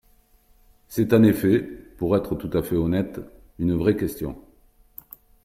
C’est en effet, pour être tout à fait honnête, une vraie question.